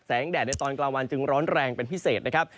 แดดในตอนกลางวันจึงร้อนแรงเป็นพิเศษนะครับ